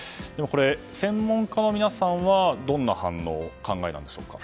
専門家の皆さんはどんな反応、お考えですか？